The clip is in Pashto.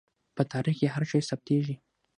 په تاریخ کې هر شی ثبتېږي.